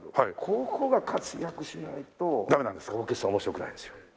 ここが活躍しないとオーケストラは面白くないんですよ。